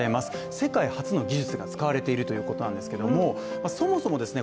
世界初の技術が使われているということなんですけどもそもそもですね